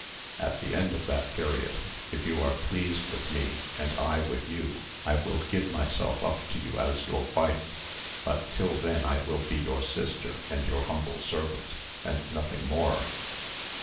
At the end of that period, if you are pleased with me and I with you, I will give myself up to you as your wife; but till then I will be your sister and your humble servant, and nothing more.